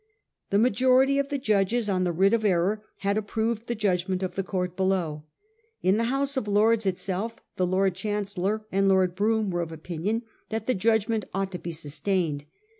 The majority of the judges on the writ of error had approved the judgment of the court below. In the House of Lords itself the Lord Chancellor and Lord Brougham were of opinion that the judgment ought to be sustained.